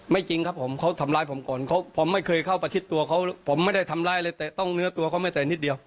จริงครับผมเขาทำร้ายผมก่อนเขาผมไม่เคยเข้าประชิดตัวเขาผมไม่ได้ทำร้ายเลยเตะต้องเนื้อตัวเขาไม่เตะนิดเดียว